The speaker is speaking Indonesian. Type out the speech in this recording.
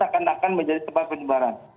tak akan akan menjadi tempat penyebaran